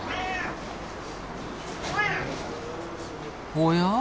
おや？